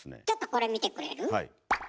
ちょっとこれ見てくれる？